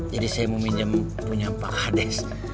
jadi saya mau minjem punya pak hades